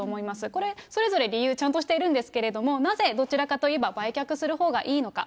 これ、それぞれ理由、ちゃんとしているんですけれども、なぜどちらかといえば、売却するほうがいいのか。